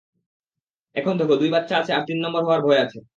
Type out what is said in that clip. এখন দেখো, দুই বাচ্চা আছে, আর তিন নাম্বার হওয়ার ভয় আছে।